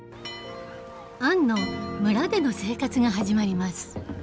アンの村での生活が始まります。